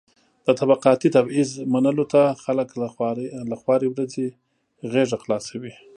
د طبقاتي تبعيض منلو ته خلک له خوارې ورځې غېږه خلاصوي.